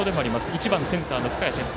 １番センターの深谷哲平。